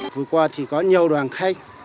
vừa qua thì có nhiều đoàn khách